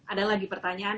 ada lagi pertanyaan